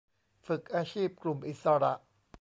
ฝึกอาชีพกลุ่มอิสระ